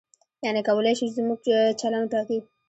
یعنې کولای شي زموږ چلند وټاکي.